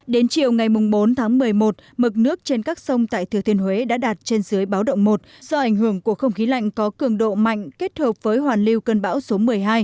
đến chiều ngày bốn tháng một mươi một mực nước trên các sông tại thừa thiên huế đã đạt trên dưới báo động một do ảnh hưởng của không khí lạnh có cường độ mạnh kết hợp với hoàn lưu cơn bão số một mươi hai